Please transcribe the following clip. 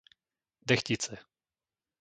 Dechtice